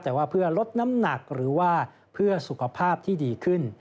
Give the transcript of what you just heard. แต่ว่าเพื่อลดน้ำหนักหรือว่าเพื่อสุขภาพที่ดีขึ้น